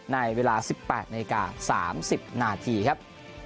ในเวลา๑๘นาฬิกา๓๐นาทีครับ